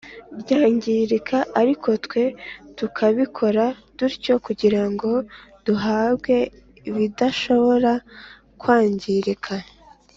Ryangirika ariko twe tubikora dutyo kugira ngo duhabwe iridashobora kwangirika